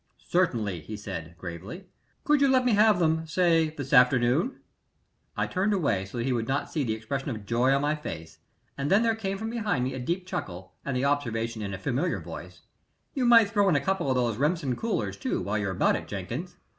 "Certainly," he said, gravely. "Could you let me have them, say this afternoon?" I turned away so that he would not see the expression of joy on my face, and then there came from behind me a deep chuckle and the observation in a familiar voice: "You might throw in a couple of those Remsen coolers, too, while you're about it, Jenkins."